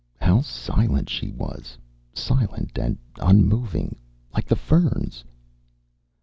How silent she was! Silent and unmoving. Like the ferns.